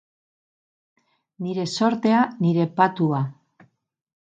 Nire zortea, nire patua.